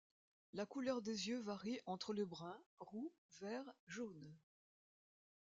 La couleur des yeux varie entre le brun, roux, vert, jaune.